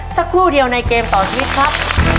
สักครู่เดียวในเกมต่อชีวิตครับ